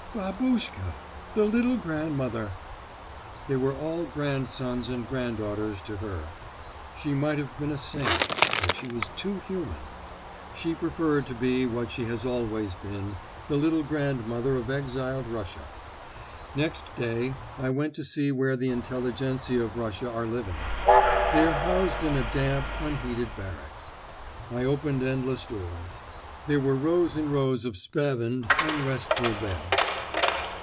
Babus chka—the little grandmother! They were all grandsons and granddaughters to her. She might have been a saint—but she was too human. She preferred to be what she has always been, the little grandmother of exiled Russia. Next day I went to see where the Intelligencia of Russia are living. They are housed in a damp, unheated barracks. I opened endless doors; there were rows and rows of spavined, unrestful beds.